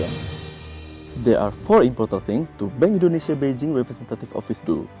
ada empat hal penting yang harus dilakukan oleh bank indonesia beijing representatif office